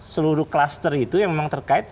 seluruh klaster itu yang memang terkait